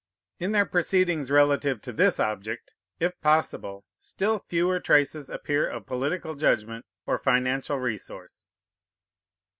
In their proceedings relative to this object, if possible, still fewer traces appear of political judgment or financial resource.